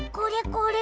これ。